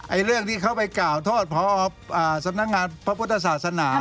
เรื่องที่เขาไปกล่าวโทษพอสำนักงานพระพุทธศาสนา